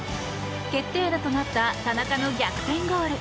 決定打となった田中の逆転ゴール。